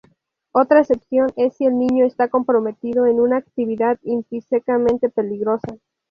Otra excepción es si el niño está comprometido en una "actividad intrínsecamente peligrosa.